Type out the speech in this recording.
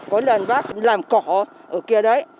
có lần bác làm cỏ ở kia đấy